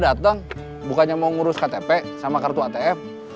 tuh teng bukannya mau ngurus ktp sama kartu atm